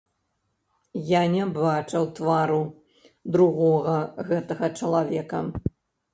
Я не бачыў твару другога гэтага чалавека.